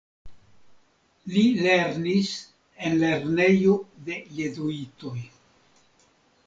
Li lernis en lernejo de jezuitoj.